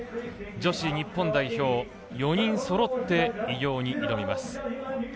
女子日本代表４人そろって偉業に挑みます。